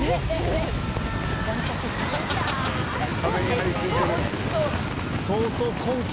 壁に張りついてる。